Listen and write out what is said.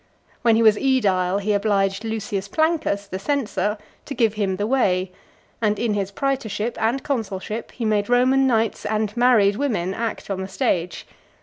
When he was aedile, he obliged Lucius Plancus, the censor, to give him the way; and in his praetorship, and consulship, he made Roman knights and married women act on the stage.